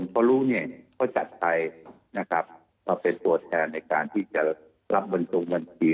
เขารู้เนี่ยพอจัดไปนะครับจะเป็นตัวแทนในการที่จะรับบัญชี